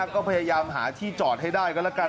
ก็พยายามหาที่จอดให้ได้ก็แล้วกัน